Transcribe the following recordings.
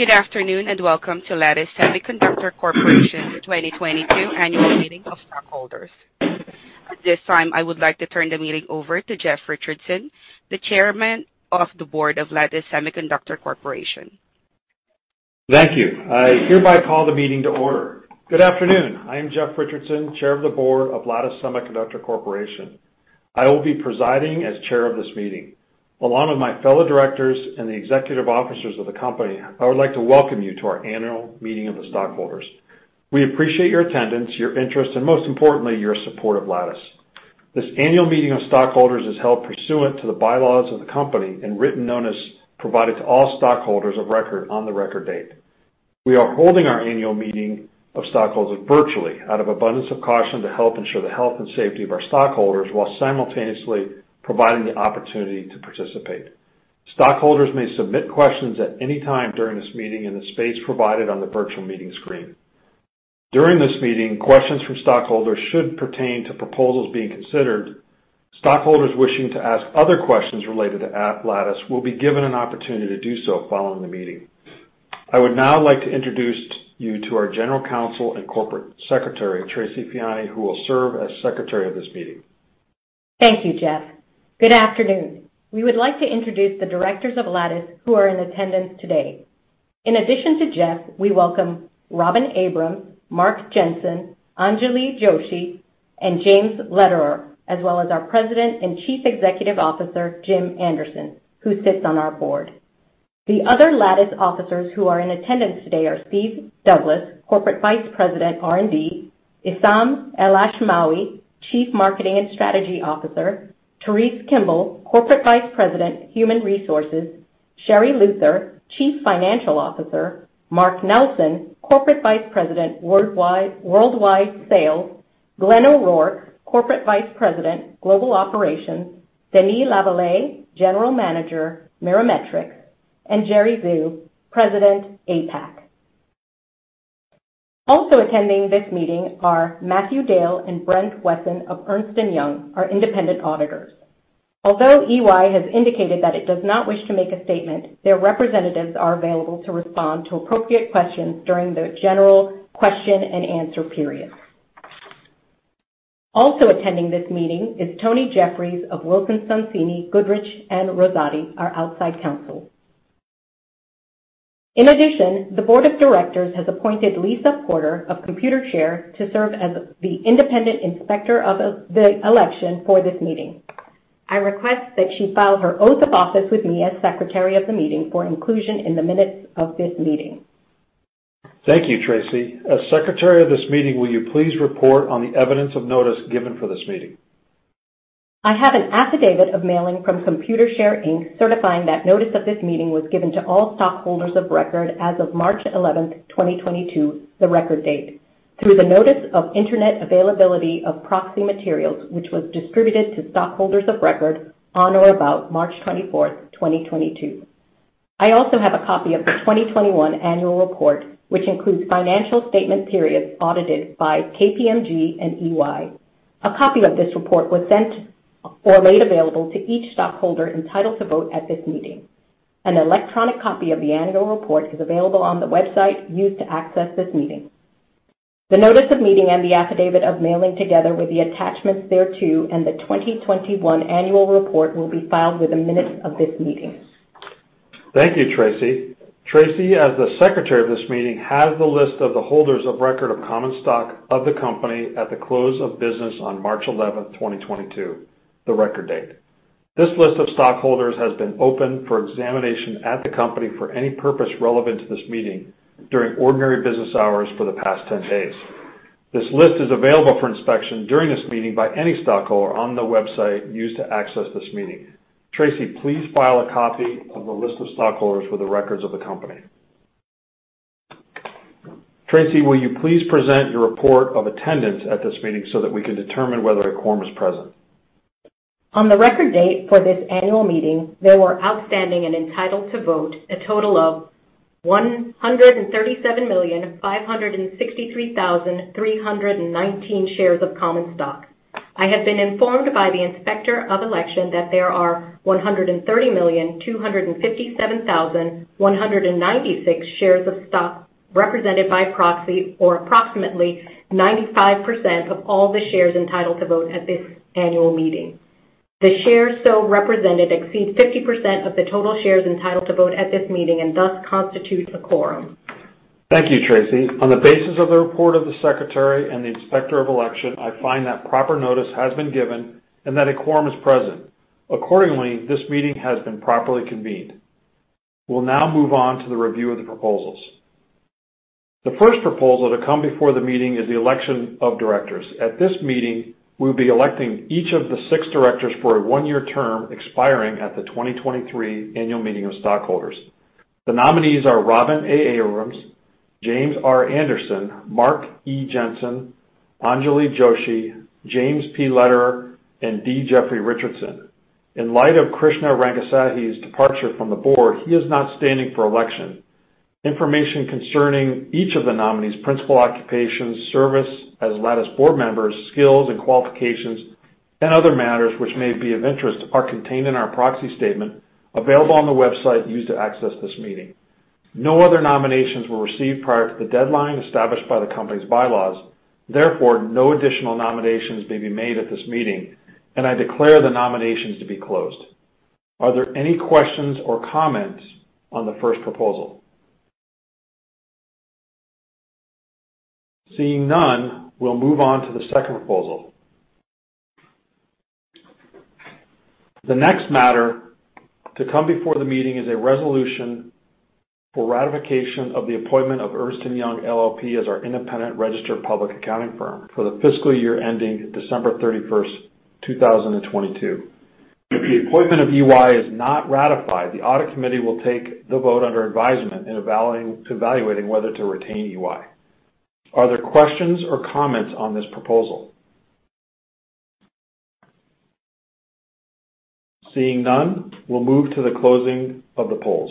Good afternoon, and welcome to Lattice Semiconductor Corporation 2022 Annual Meeting of Stockholders. At this time, I would like to turn the meeting over to Jeff Richardson, the Chairman of the Board of Lattice Semiconductor Corporation. Thank you. I hereby call the meeting to order. Good afternoon. I am Jeff Richardson, Chair of the Board of Lattice Semiconductor Corporation. I will be presiding as chair of this meeting. Along with my fellow directors and the executive officers of the company, I would like to welcome you to our annual meeting of the stockholders. We appreciate your attendance, your interest, and most importantly, your support of Lattice. This annual meeting of stockholders is held pursuant to the bylaws of the company and written notice provided to all stockholders of record on the record date. We are holding our annual meeting of stockholders virtually out of abundance of caution to help ensure the health and safety of our stockholders while simultaneously providing the opportunity to participate. Stockholders may submit questions at any time during this meeting in the space provided on the virtual meeting screen. During this meeting, questions from stockholders should pertain to proposals being considered. Stockholders wishing to ask other questions related to Lattice will be given an opportunity to do so following the meeting. I would now like to introduce you to our General Counsel and Corporate Secretary, Tracy Feanny, who will serve as secretary of this meeting. Thank you, Jeff. Good afternoon. We would like to introduce the directors of Lattice who are in attendance today. In addition to Jeff, we welcome Robin Abrams, Mark Jensen, Anjali Joshi, and James Lederer, as well as our President and Chief Executive Officer, Jim Anderson, who sits on our board. The other Lattice officers who are in attendance today are Steve Douglass, Corporate Vice President, R&D. Esam Elashmawi, Chief Marketing and Strategy Officer. Therese Kimball, Corporate Vice President, Human Resources. Sherri Luther, Chief Financial Officer. Mark Nelson, Corporate Vice President, Worldwide Sales. Glenn O'Rourke, Corporate Vice President, Global Operations. Denis Lavallee, General Manager, Mirametrix. Jerry Xu, President, APAC. Also attending this meeting are Matthew Dale and Brent Wesson of Ernst & Young, our independent auditors. Although EY has indicated that it does not wish to make a statement, their representatives are available to respond to appropriate questions during the general question and answer period. Also attending this meeting is Tony Jeffries of Wilson Sonsini Goodrich & Rosati, our outside counsel. In addition, the board of directors has appointed Lisa Porter of Computershare to serve as the independent inspector of the election for this meeting. I request that she file her oath of office with me as secretary of the meeting for inclusion in the minutes of this meeting. Thank you, Tracy. As secretary of this meeting, will you please report on the evidence of notice given for this meeting? I have an affidavit of mailing from Computershare Inc., certifying that notice of this meeting was given to all stockholders of record as of March 11th, 2022, the record date, through the notice of internet availability of proxy materials, which was distributed to stockholders of record on or about March 24th, 2022. I also have a copy of the 2021 annual report, which includes financial statement periods audited by KPMG and EY. A copy of this report was sent or made available to each stockholder entitled to vote at this meeting. An electronic copy of the annual report is available on the website used to access this meeting. The notice of meeting and the affidavit of mailing, together with the attachments thereto and the 2021 annual report, will be filed with the minutes of this meeting. Thank you, Tracy. Tracy, as the secretary of this meeting, has the list of the holders of record of common stock of the company at the close of business on March 11th, 2022, the record date. This list of stockholders has been open for examination at the company for any purpose relevant to this meeting during ordinary business hours for the past 10 days. This list is available for inspection during this meeting by any stockholder on the website used to access this meeting. Tracy, please file a copy of the list of stockholders for the records of the company. Tracy, will you please present your report of attendance at this meeting so that we can determine whether a quorum is present? On the record date for this annual meeting, there were outstanding and entitled to vote a total of 137,563,319 shares of common stock. I have been informed by the Inspector of Election that there are 130,257,196 shares of stock represented by proxy, or approximately 95% of all the shares entitled to vote at this annual meeting. The shares so represented exceed 50% of the total shares entitled to vote at this meeting and thus constitute a quorum. Thank you, Tracy. On the basis of the report of the Secretary and the Inspector of Election, I find that proper notice has been given and that a quorum is present. Accordingly, this meeting has been properly convened. We'll now move on to the review of the proposals. The first proposal to come before the meeting is the election of directors. At this meeting, we'll be electing each of the six directors for a one-year term expiring at the 2023 annual meeting of stockholders. The nominees are Robin A. Abrams, James R. Anderson, Mark E. Jensen, Anjali Joshi, James P. Lederer, and D. Jeffrey Richardson. In light of Krishna Rangasayee's departure from the board, he is not standing for election. Information concerning each of the nominees' principal occupations, service as Lattice board members, skills, and qualifications and other matters which may be of interest are contained in our proxy statement available on the website used to access this meeting. No other nominations were received prior to the deadline established by the company's bylaws. Therefore, no additional nominations may be made at this meeting, and I declare the nominations to be closed. Are there any questions or comments on the first proposal? Seeing none, we'll move on to the second proposal. The next matter to come before the meeting is a resolution for ratification of the appointment of Ernst & Young LLP as our independent registered public accounting firm for the fiscal year ending December 31st, 2022. If the appointment of EY is not ratified, the audit committee will take the vote under advisement in evaluating whether to retain EY. Are there questions or comments on this proposal? Seeing none, we'll move to the closing of the polls.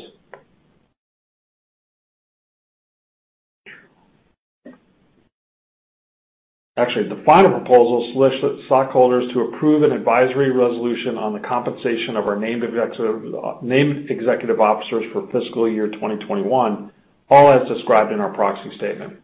Actually, the final proposal solicits stockholders to approve an advisory resolution on the compensation of our named executive officers for fiscal year 2021, all as described in our proxy statement.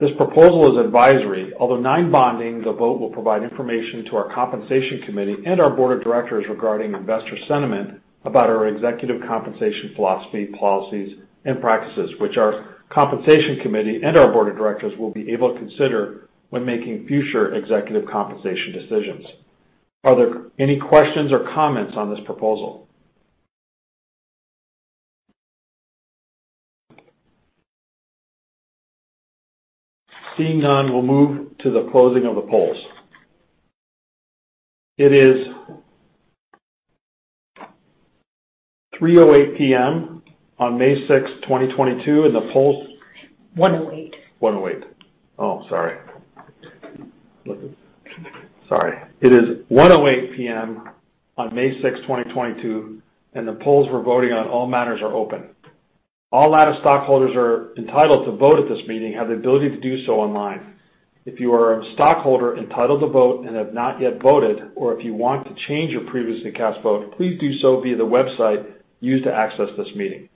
This proposal is advisory. Although non-binding, the vote will provide information to our compensation committee and our board of directors regarding investor sentiment about our executive compensation philosophy, policies and practices, which our compensation committee and our board of directors will be able to consider when making future executive compensation decisions. Are there any questions or comments on this proposal? Seeing none, we'll move to the closing of the polls. It is 3:08 P.M. on May 6th, 2022, and the polls- 108. It is 1:08 P.M. on May 6th, 2022, and the polls for voting on all matters are open. All Lattice stockholders are entitled to vote at this meeting have the ability to do so online. If you are a stockholder entitled to vote and have not yet voted, or if you want to change your previously cast vote, please do so via the website used to access this meeting.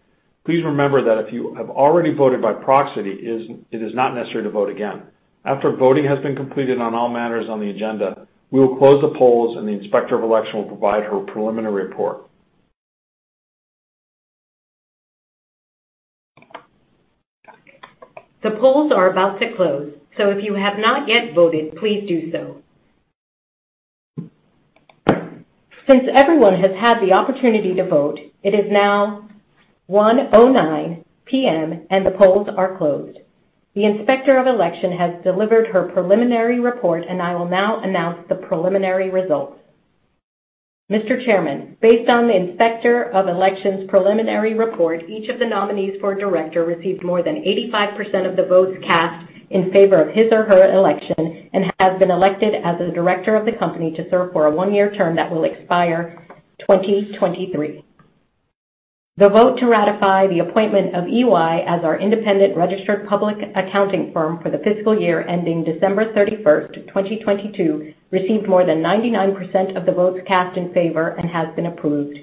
Please remember that if you have already voted by proxy, it is not necessary to vote again. After voting has been completed on all matters on the agenda, we will close the polls, and the inspector of election will provide her preliminary report. The polls are about to close, so if you have not yet voted, please do so. Since everyone has had the opportunity to vote, it is now 1:09 P.M. and the polls are closed. The inspector of election has delivered her preliminary report, and I will now announce the preliminary results. Mr. Chairman, based on the inspector of election's preliminary report, each of the nominees for director received more than 85% of the votes cast in favor of his or her election and has been elected as a director of the company to serve for a one-year term that will expire 2023. The vote to ratify the appointment of EY as our independent registered public accounting firm for the fiscal year ending December 31st, 2022 received more than 99% of the votes cast in favor and has been approved.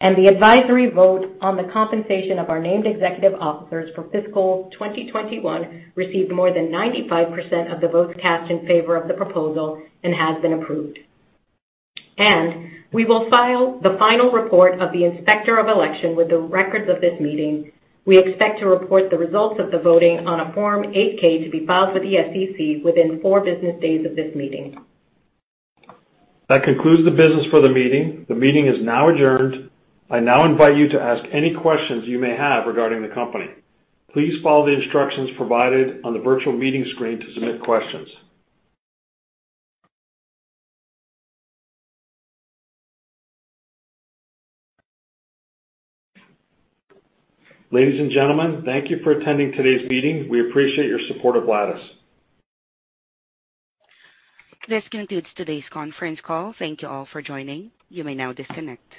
The advisory vote on the compensation of our named executive officers for fiscal 2021 received more than 95% of the votes cast in favor of the proposal and has been approved. We will file the final report of the inspector of election with the records of this meeting. We expect to report the results of the voting on a Form 8-K to be filed with the SEC within four business days of this meeting. That concludes the business for the meeting. The meeting is now adjourned. I now invite you to ask any questions you may have regarding the company. Please follow the instructions provided on the virtual meeting screen to submit questions. Ladies and gentlemen, thank you for attending today's meeting. We appreciate your support of Lattice. This concludes today's conference call. Thank you all for joining. You may now disconnect.